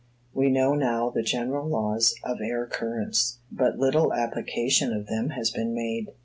We know now the general laws of air currents, but little application of them has been made.